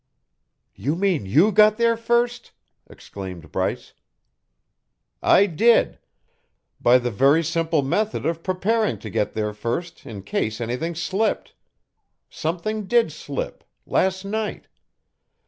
"You mean you got there first?" exclaimed Bryce. "I did by the very simple method of preparing to get there first in case anything slipped. Something did slip last night!